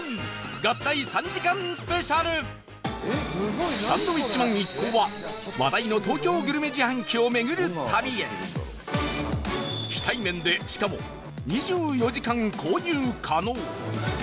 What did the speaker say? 合体３時間スペシャルサンドウィッチマン一行は話題の東京グルメ自販機を巡る旅へ非対面でしかも、２４時間購入可能